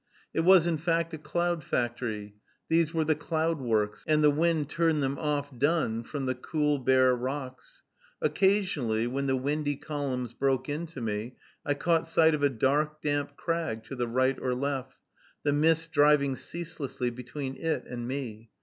It was, in fact, a cloud factory, these were the cloud works, and the wind turned them off done from the cool, bare rocks. Occasionally, when the windy columns broke in to me, I caught sight of a dark, damp crag to the right or left; the mist driving ceaselessly between it and me.